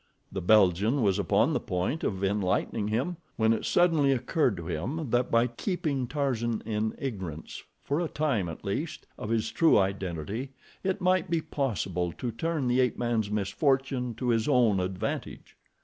The Belgian was upon the point of enlightening him, when it suddenly occurred to him that by keeping Tarzan in ignorance, for a time at least, of his true identity, it might be possible to turn the ape man's misfortune to his own advantage.